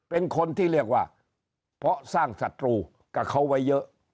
เป็นคนที่เรียกว่าเพราะสร้างศัตรูกับเขาไว้เยอะ